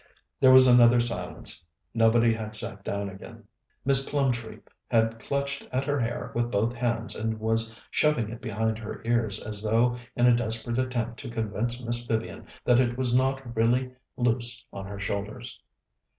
There was another silence. Nobody had sat down again. Miss Plumtree had clutched at her hair with both hands and was shoving it behind her ears as though in a desperate attempt to convince Miss Vivian that it was not really loose on her shoulders.